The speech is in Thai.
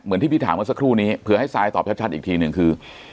เหมือนที่พี่ถามมาสักครู่นี้เผื่อให้ซายตอบชัดชัดอีกทีหนึ่งคือ